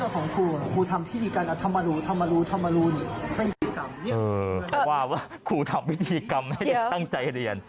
คุณทำวิธีกำให้ตั้งใจเรียน